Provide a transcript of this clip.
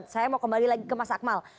saya mau kembali lagi ke mas akmal